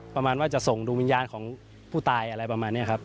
ประมาณว่าจะส่งดวงวิญญาณของผู้ตายอะไรประมาณนี้ครับ